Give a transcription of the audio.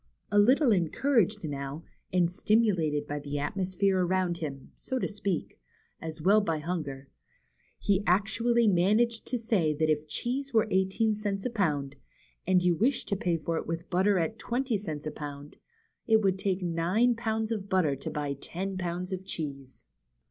A little encouraged now, and stimulated by the atmos phere around him, so to speak, as well as by hunger, he actually managed to say that if cheese were eighteen cents a pound, and you wished to pay for it with hotter at twenty cents a pound, it would take nine pounds of butter to buy ten pounds of cheese.